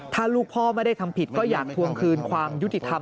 ถ้าลูกพ่อไม่ได้ทำผิดก็อยากทวงคืนความยุติธรรม